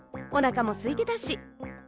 おなかもすいてたし。